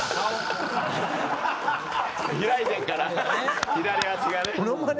開いてるから、左足がね。